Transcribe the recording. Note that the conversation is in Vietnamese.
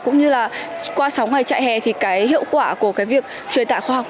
cũng như là qua sáu ngày trại hè thì cái hiệu quả của cái việc truyền tạo khoa học